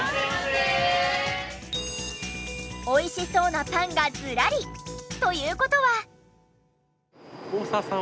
美味しそうなパンがずらり！という事は。